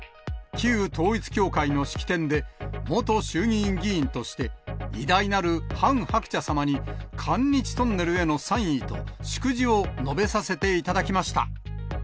旧統一教会の式典で、元衆議院議員として偉大なるハン・ハクチャ様に、韓日トンネルへの賛意と祝辞を述べさせていただきました。